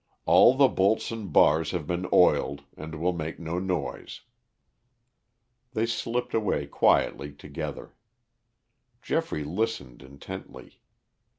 "All the bolts and bars have been oiled and will make no noise." They slipped away quietly together. Geoffrey listened intently.